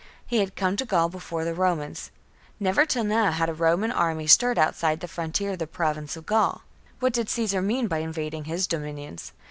He had come to Gaul before the Romans. Never till now had a Roman army stirred outside the frontier of the Province of Gaul. What did Caesar mean by invading his dominions?